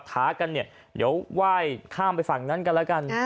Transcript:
ท้ากันเนี่ยเดี๋ยวไหว้ข้ามไปฝั่งนั้นกันแล้วกัน